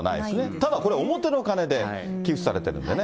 ただこれ、表の金で寄付されてるんでね。